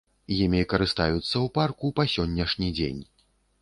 Імі карыстаюцца ў парку па сённяшні дзень.